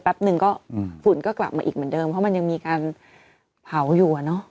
หนึ่งก็ฝุ่นก็กลับมาอีกเหมือนเดิมเพราะมันยังมีการเผาอยู่อ่ะเนอะ